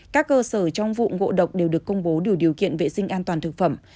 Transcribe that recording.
các cơ sở trong vụ ngộ độc đều được công bố đủ điều kiện vệ sinh an toàn thực phẩm